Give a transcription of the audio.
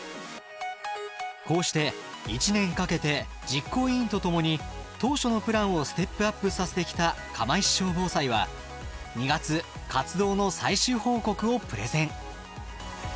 こうして１年かけて実行委員と共に当初のプランをステップアップさせてきた釜石小ぼうさいは２月活動の最終報告をプレゼン。